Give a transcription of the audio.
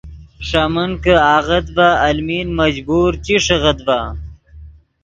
ݰے من کہ آغت ڤے المین مجبور چی ݰیغیت ڤے